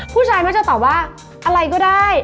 ผู้ชายมักจะตอบว่าอะไรก็ได้